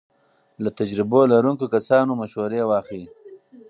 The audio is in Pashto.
له تجربو لرونکو کسانو مشورې واخلئ.